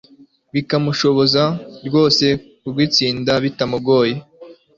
bikamushoboza rwose kugitsinda bitamugoye.